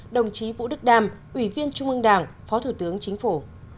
đồng chí vũ đức đam ủy viên trung ương đảng phó thủ tướng chính phủ